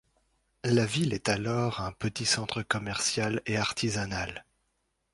La ville est alors un petit centre commercial et artisanal.